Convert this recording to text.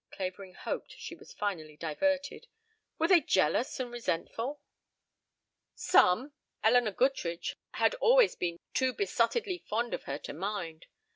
Clavering hoped she was finally diverted. "Were they jealous and resentful?" "Some. Elinor Goodrich had always been too besottedly fond of her to mind.